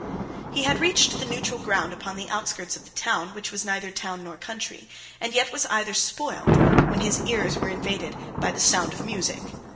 He had reached the neutral ground upon the outskirts of the town, which was neither town nor country, and yet was either spoiled, when his ears were invaded by the sound of music.